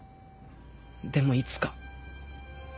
でもいつか。